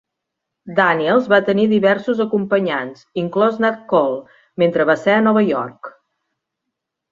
Daniels va tenir diversos acompanyants, inclòs Nat Cole, mentre va ser a Nova York.